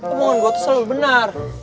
omongan gue tuh selalu benar